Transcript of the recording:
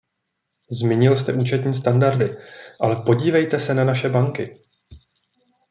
Zmínil jste účetní standardy, ale podívejte se na naše banky.